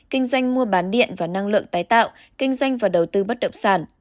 kinh doanh mua bán điện và năng lượng tái tạo kinh doanh và đầu tư bất động sản